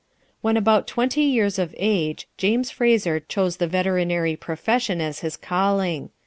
When about twenty years of age, James Fraser chose the veterinary profession as his calling.